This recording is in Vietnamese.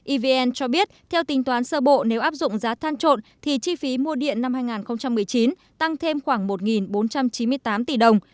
evn cho biết theo tính toán sơ bộ nếu áp dụng giá than trộn thì chi phí mua điện năm hai nghìn một mươi chín tăng thêm khoảng một bốn trăm chín mươi tám tỷ đồng